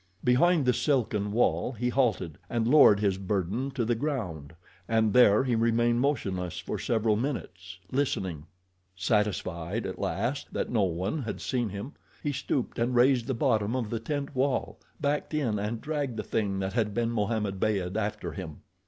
Behind the silken wall he halted and lowered his burden to the ground, and there he remained motionless for several minutes, listening. Satisfied, at last, that no one had seen him, he stooped and raised the bottom of the tent wall, backed in and dragged the thing that had been Mohammed Beyd after him.